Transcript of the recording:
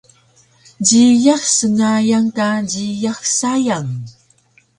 Jiyax sngayan ka jiyax sayang